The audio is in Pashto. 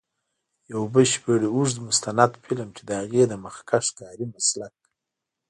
یو بشپړ اوږد مستند فلم، چې د هغې د مخکښ کاري مسلک.